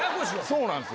そうなんすよ。